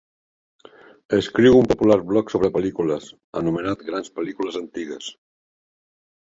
Escriu un popular blog sobre pel·lícules anomenat Grans pel·lícules antigues.